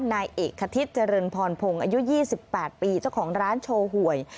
นายเอกคทิศเจริญพรพงศ์อายุ๒๘ปีเจ้าของร้านโชว์หวย